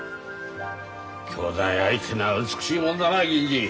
姉妹愛ってのは美しいもんだな銀次。